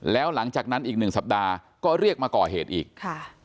แล้วหลังจากนั้นอีกหนึ่งสัปดาห์ก็เรียกมาก่อเหตุอีกค่ะ